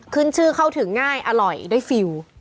ขึ้นชื่อเข้าถึงง่ายอร่อยได้ฟิล